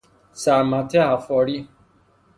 سر مته حفاری